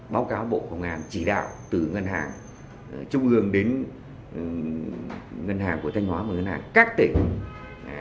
báo cáo bộ công an chỉ đạo từ ngân hàng trung ương đến ngân hàng của thanh hóa và ngân hàng các tỉnh